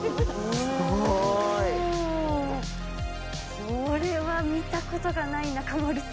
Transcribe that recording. これは見たことがない中丸さ